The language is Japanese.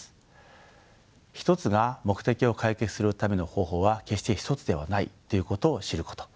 １つが目的を解決するための方法は決して１つではないということを知ること。